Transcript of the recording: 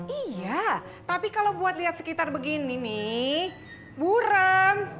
iya tapi kalau buat liat sekitar begini nih burem